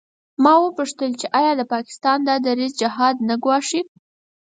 ما وپوښتل چې آیا د پاکستان دا دریځ جهاد نه ګواښي.